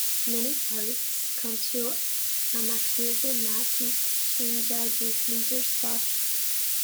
Many tourists come to Amakusa-machi to enjoy these leisure spots.